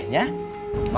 soalnya kau sudah sampai